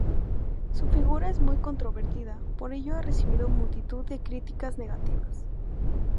Su figura es muy controvertida, por ello ha recibido multitud de críticas negativas.